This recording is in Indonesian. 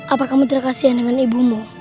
apa kamu terkasihan dengan ibumu